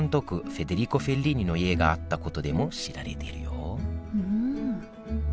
フェデリコ・フェリーニの家があったことでも知られているよ